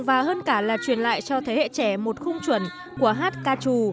và hơn cả là truyền lại cho thế hệ trẻ một khung chuẩn của hát ca trù